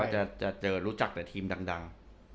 เราก็จะเจอและรู้จักแต่ทีมดัง